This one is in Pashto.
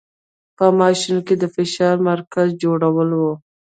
په ماشین کې د فشار مرکز جوړول و.